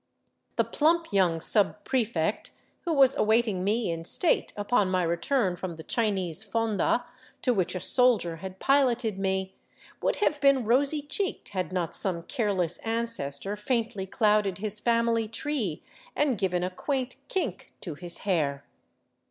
The plump young subprefect, who was awaiting me in state upon my return from the Chinese f onda to which a soldier had piloted me, would have been rosy cheeked had not some careless ancestor faintly clouded his family tree and given a quaint kink to his hair.